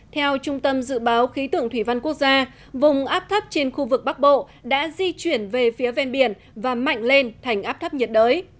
theo trung tâm dự báo khí tượng thủy văn quốc gia vùng áp thấp trên khu vực bắc bộ đã di chuyển về phía ven biển và mạnh lên thành áp thấp nhiệt đới